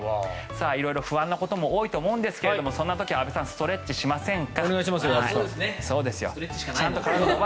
色々不安なことも多いと思うんですがそんな時、安部さんストレッチしませんか。